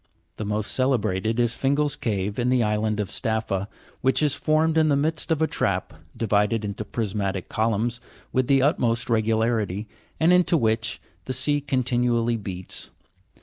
The most celebrated is Fingal's cave, in the island of Staffa, which is formed in the midst of trap, divided into prismatic columns with the utmost regu larity, and into which the sea continually beats.